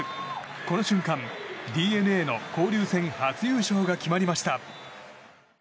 この瞬間、ＤｅＮＡの交流戦初優勝が決まりました。